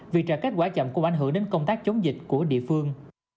vì trả kết quả chậm cũng ảnh hưởng đến công tác chống dịch của địa phương